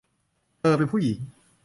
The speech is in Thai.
เธอเป็นผู้หญิง